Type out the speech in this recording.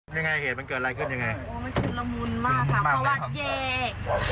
ยังไงเหตุมันเกิดอะไรขึ้นยังไงโอ้ยมันชุดละมุนมากค่ะ